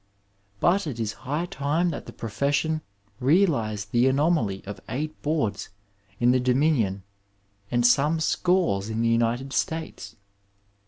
But it is high time that the profession real ized the anomaly of eight boards in the Dominion and some scores in the United States.